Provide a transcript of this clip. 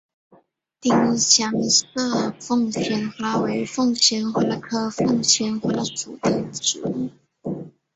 丁香色凤仙花为凤仙花科凤仙花属的植物。